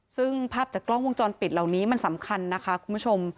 ซึ่งภาพจากกล้องวงจรปิดเหล่านี้มันสำคัญนะคะคุณผู้ชม